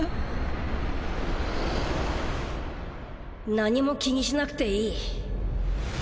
何も気にしなくていい。